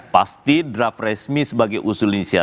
pasti draft resmi sebagai usul inisia